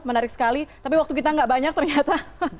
menarik sekali tapi waktu kita gak banyak ternyata